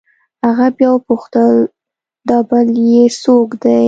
هغه بيا وپوښتل دا بل يې سوک دې.